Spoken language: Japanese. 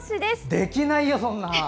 できないよ、そんなの！